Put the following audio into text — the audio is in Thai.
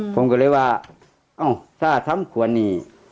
ผมก็เลยว่าถ้าทำครูนี่